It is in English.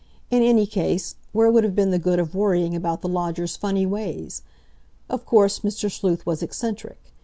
In any case, where would have been the good of worrying about the lodger's funny ways? Of course, Mr. Sleuth was eccentric.